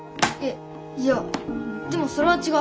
いいやでもそれはちがう。